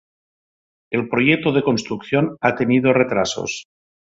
El proyecto de construcción ha tenido retrasos.